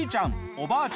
おばあちゃん